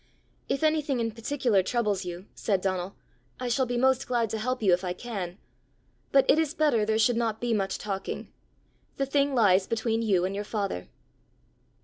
"If anything in particular troubles you," said Donal, "I shall be most glad to help you if I can; but it is better there should not be much talking. The thing lies between you and your Father."